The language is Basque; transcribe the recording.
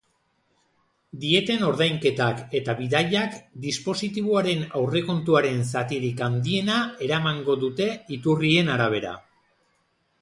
Dieten ordainketak eta bidaiak dispositiboaren aurrekontuaren zatirik handiena eramango dute, iturrien arabera.